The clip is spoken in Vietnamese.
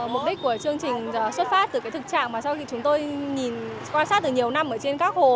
mục đích của chương trình xuất phát từ cái thực trạng mà sau khi chúng tôi nhìn quan sát được nhiều năm ở trên các hồ